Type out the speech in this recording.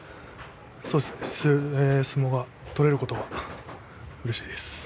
そうですね相撲が取れることがうれしいです。